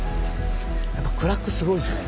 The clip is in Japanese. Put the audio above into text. やっぱクラックすごいですね。